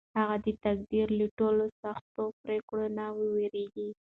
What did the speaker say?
هغه د تقدیر له ټولو سختو پرېکړو نه وېرېږي.